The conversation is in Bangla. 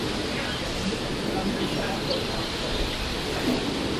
জাহাঙ্গীর তাকে খান-ই-সামান পদে নিযুক্ত করেন।